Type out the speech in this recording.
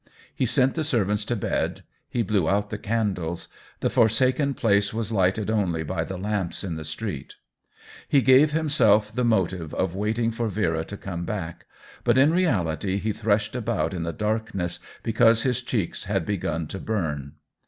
He sent the servants to bed, he blew out the candles ; the forsaken place was lighted only by the lamps in the street. He gave himself the motive of waiting for Vera to come back, but in reality he threshed about in the darkness because his cheeks had begun to burn.